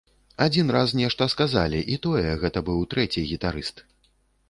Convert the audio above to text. Адзін раз нешта сказалі, і тое, гэта быў трэці гітарыст.